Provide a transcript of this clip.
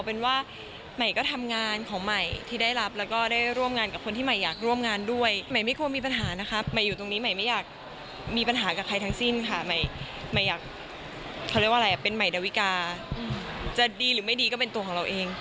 เป็นใหม่ดาวิกาจะดีหรือไม่ดีก็เป็นตัวของเราเอง